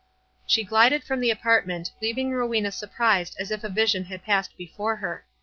She glided from the apartment, leaving Rowena surprised as if a vision had passed before her.